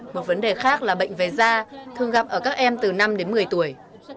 một vấn đề khác là bệnh về da thường gặp ở các em từ năm đến một mươi tuổi